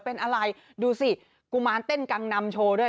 เป็นอะไรดูสิกุมารเต้นกังนำโชว์ด้วย